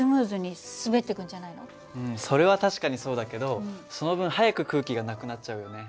うんそれは確かにそうだけどその分早く空気がなくなっちゃうよね。